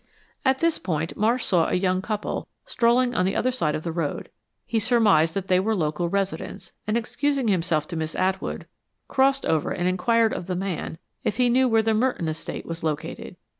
At this point Marsh saw a young couple, strolling on the other side of the road. He surmised that they were local residents, and excusing himself to Miss Atwood, crossed over and inquired of the man if he knew where the Merton estate was located.